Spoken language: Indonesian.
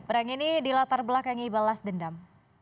perang ini di latar belakangnya ibalas dendam